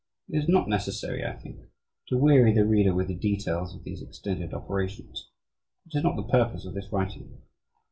It is not necessary, I think, to weary the reader with the details of these extended operations. That is not the purpose of this writing.